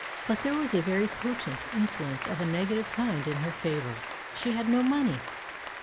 But there was a very potent influence of a negative kind in her favour. She had no money!